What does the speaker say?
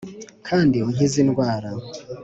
kandi unkize indwara